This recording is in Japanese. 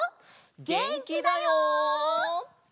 げんきだよ！